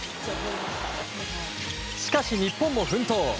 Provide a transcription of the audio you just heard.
しかし、日本も奮闘！